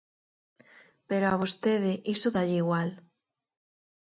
Pero a vostede iso dálle igual.